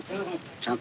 ちゃんと？